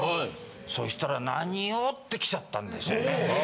そしたら「何を！」って来ちゃったんですよね。